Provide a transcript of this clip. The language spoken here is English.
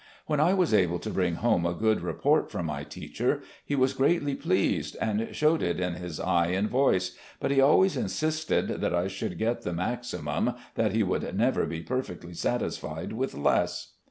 When I was able to bring home a good report from my teacher, he was greatly pleased, and showed it in his eye and voice, but he always insisted that I should get the "maximum," that he would never be perfectly satis fied with less.